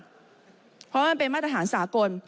เพราะว่ามันเป็นมาตรฐานสากล